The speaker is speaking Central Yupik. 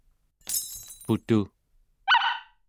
putu²